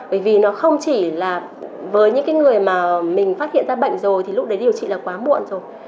bởi vì nó không chỉ là với những người mà mình phát hiện ra bệnh rồi thì lúc đấy điều trị là quá muộn rồi